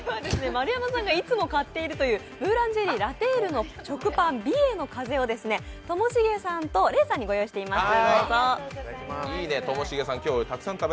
丸山さんがいつも買っているというブーランジェリーラ・テールの食パン、美瑛の風をともしげさんとレイさんにご用意しています。